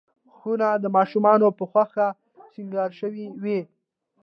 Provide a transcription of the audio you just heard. خونه د ماشوم په خوښه سینګار شوې وي.